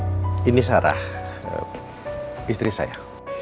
oh ini sarah istri saya